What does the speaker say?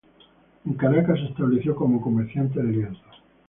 En Caracas se estableció como comerciante de lienzos.